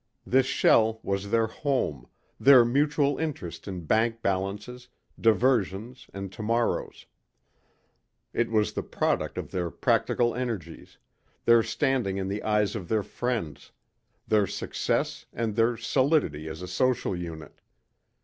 This shell was their home, their mutual interest in bank balances, diversions and tomorrows. It was the product of their practical energies their standing in the eyes of their friends, their success and their solidity as a social unit.